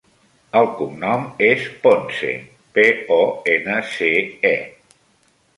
El cognom és Ponce: pe, o, ena, ce, e.